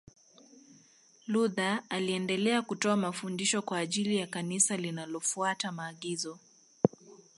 Luther aliendelea kutoa mafundisho kwa ajili ya Kanisa linalofuata maagizo